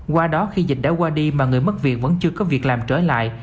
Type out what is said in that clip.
qua đó khi dịch đã qua đi mà người mất việc vẫn chưa có việc làm trở lại